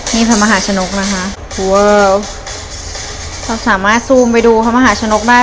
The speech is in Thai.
นี่พระมหาชนกนะคะสามารถซูมไปดูพระมหาชนกได้